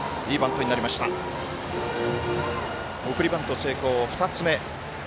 送りバント成功、２つ目。